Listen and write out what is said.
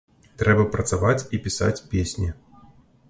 Трэба працаваць і пісаць песні.